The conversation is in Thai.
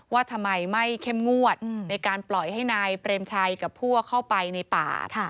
ว่าทำไมไม่เข้มงวดในการปล่อยให้นายเปรมชัยกับพวกเข้าไปในป่า